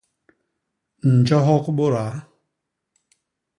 Njohok bôdaa.